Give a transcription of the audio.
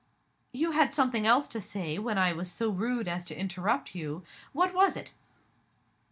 You had something else to say, when I was so rude as to interrupt you. What was it?"